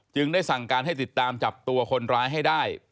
ได้สั่งการให้ติดตามจับตัวคนร้ายให้ได้